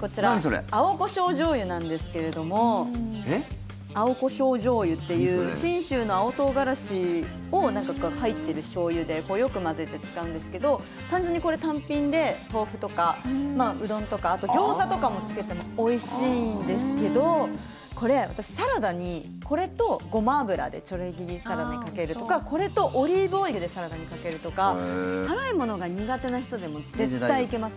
こちら青こしょう醤油なんですけれども青こしょう醤油っていう信州のアオトウガラシが入っているしょうゆでよく混ぜて使うんですけど単純にこれ単品で豆腐とかうどんとかあとギョーザとかもつけてもおいしいんですけどこれ私サラダに、これとごま油でチョレギサラダにかけるとかこれとオリーブオイルでサラダにかけるとか辛いものが苦手な人でも絶対いけます。